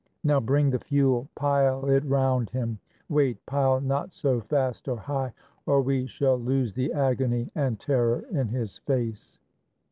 Now bring the fuel! Pile it'round him! Wait! Pile not so fast or high! or we shall lose The agony and terror in his face.